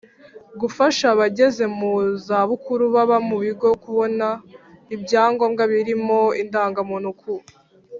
Gufasha abageze mu zabukuru baba mu bigo kubona ibyangombwa birimo indangamuntu ku